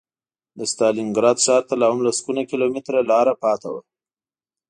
د ستالینګراډ ښار ته لا هم لسګونه کیلومتره لاره پاتې وه